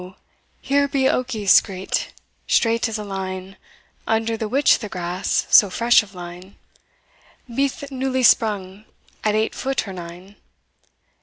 here be oakis grete, streight as a line, Under the which the grass, so fresh of line, Be'th newly sprung at eight foot or nine.